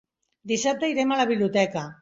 Dissabte irem a la biblioteca.